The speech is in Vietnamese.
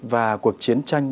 và cuộc chiến tranh